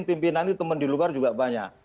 tapi teman di luar juga banyak